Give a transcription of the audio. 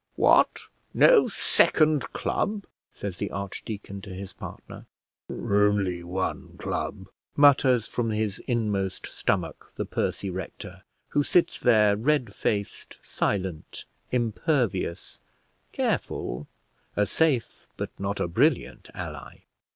"What, no second club?" says the archdeacon to his partner. "Only one club," mutters from his inmost stomach the pursy rector, who sits there red faced, silent, impervious, careful, a safe but not a brilliant ally.